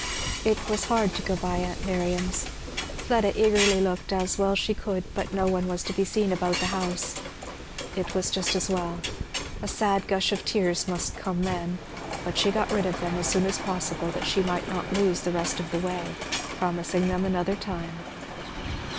It was hard to go by aunt Miriam's. Fleda eagerly looked, as well as she could, but no one was to be seen about the house. It was just as well. A sad gush of tears must come then, but she got rid of them as soon as possible, that she might not lose the rest of the way, promising them another time.